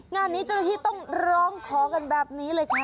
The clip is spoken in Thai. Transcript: งานนี้เจ้าหน้าที่ต้องร้องขอกันแบบนี้เลยค่ะ